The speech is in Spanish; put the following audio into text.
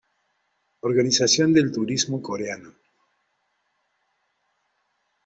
Organización del turismo Coreano